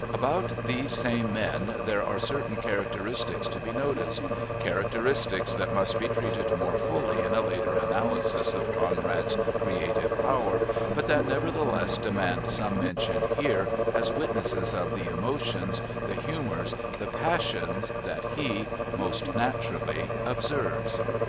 About these same men there are certain characteristics to be noticed, characteristics that must be treated more fully in a later analysis of Conrad's creative power, but that nevertheless demand some mention here as witnesses of the emotions, the humours, the passions that he, most naturally, observes.